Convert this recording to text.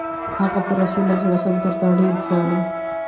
هغه پر رسول الله تر تا ډېر ګران و.